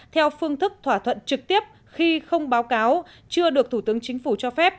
theo phương thức thỏa thuận trực tiếp khi không báo cáo chưa được thủ tướng chính phủ cho phép